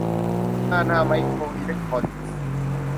ฮานา ไมโครอิเล็คโทรนิคส